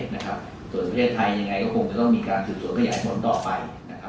ส่วนประเทศไทยยังไงก็คงต้องมีการสื่อส่วนขยายต่อไป